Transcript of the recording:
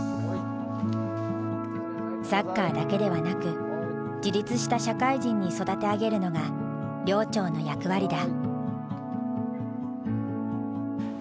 サッカーだけではなく自立した社会人に育て上げるのが寮長の役割だ。